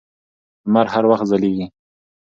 لمر هر وخت ځلېږي.